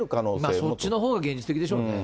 そっちのほうが現実的でしょうね。